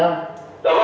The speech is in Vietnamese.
cảm ơn ạ